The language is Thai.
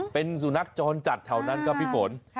เป็นสุนัขจรจัดแถวนั้นครับพี่ฝน